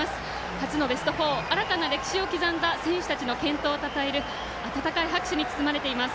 初のベスト４新たな歴史を刻んだ選手たちの健闘をたたえる温かい拍手に包まれています。